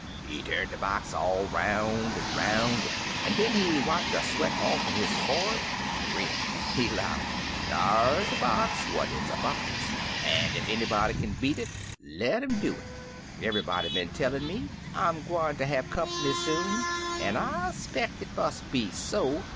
"He turn de box all 'roun' an' 'roun', an' den he wipe de sweat off'n his forrerd an' grin. He 'low, *Dar's a box what is a box; ef anybody kin beat it, le' 'im do it. Eve'y body been tellin' me I'm gwineter have comp'ny soon, an' I 'speck it mus' be so.